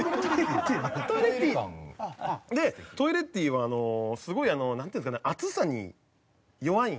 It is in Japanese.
でトイレッティはすごいなんていうんですかね。